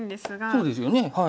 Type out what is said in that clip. そうですよねはい。